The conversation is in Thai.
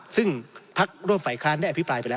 ซึ่งพักร่วมฝ่ายค้านได้อภิปรายไปแล้ว